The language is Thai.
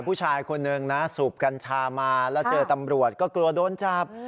ผู้ชายคนหนึ่งนะสูบกัญชามาแล้วเจอตำรวจก็กลัวโดนจับ